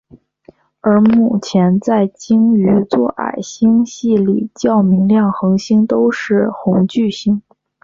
而目前在鲸鱼座矮星系里较明亮恒星都是红巨星。